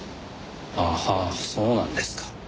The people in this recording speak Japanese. ああそうなんですか。